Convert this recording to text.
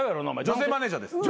女性マネジャーです。